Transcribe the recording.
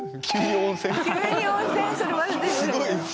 すごい。